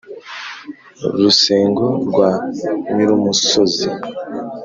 rusengo rwa nyirumusozi